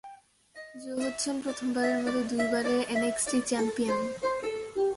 জো হচ্ছেন প্রথম বারের মতো দুই বারের এনএক্সটি চ্যাম্পিয়ন।